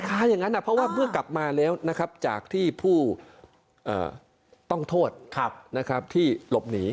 แต่คล้ายเพราะเมื่อกลับมาแล้วจากที่ผู้ต้องโทษที่หลบหนี